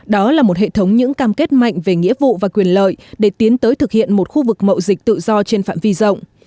đó là một hệ thống những cam kết mạnh về nghĩa vụ và quyền lợi để tiến tới thực hiện một khu vực mậu dịch tự do trên phạm vi rộng